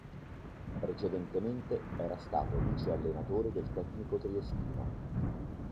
Precedentemente, era stato viceallenatore del tecnico triestino.